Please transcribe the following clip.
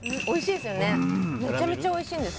うんめちゃめちゃおいしいんです